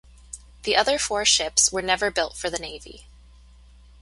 The other four ships were never built for the Navy.